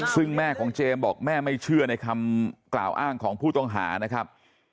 ซึ่งแม่ของเจมส์บอกแม่ไม่เชื่อในคำกล่าวอ้างของผู้ต้องหานะครับ